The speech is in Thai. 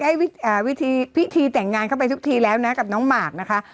วิธีพิธีแต่งงานเข้าไปทุกทีแล้วนะกับน้องหมากนะคะ